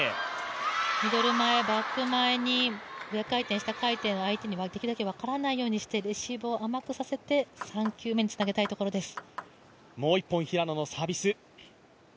ミドル前、バック前に上回転、下回転をできるだけ分からないようにしてレシーブを甘くさせて３球目につなげたいところです。